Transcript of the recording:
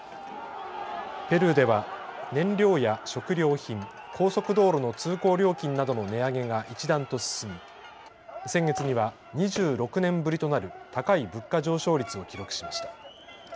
ペルーでは燃料や食料品、高速道路の通行料金などの値上げが一段と進み先月には２６年ぶりとなる高い物価上昇率を記録しました。